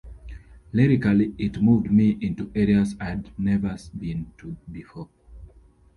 Lyrically, it moved me into areas I'd never been to before.